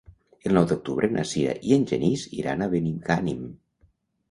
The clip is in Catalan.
El nou d'octubre na Sira i en Genís iran a Benigànim.